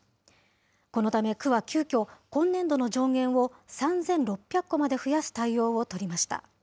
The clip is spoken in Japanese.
このため区は急きょ、今年度の上限を３６００個まで増やす対応を取りました。